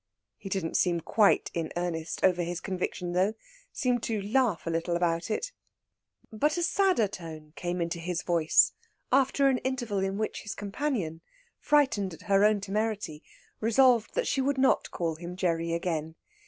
He didn't seem quite in earnest over his conviction, though seemed to laugh a little about it. But a sadder tone came into his voice after an interval in which his companion, frightened at her own temerity, resolved that she would not call him Gerry again.